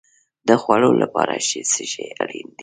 د خوړو لپاره څه شی اړین دی؟